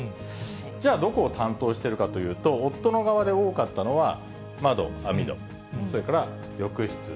じゃあ、どこを担当しているかというと、夫の側で多かったのは、窓・網戸、それから浴室。